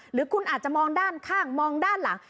หรือคุณอาจจะมองด้านข้างมองด้านหลัง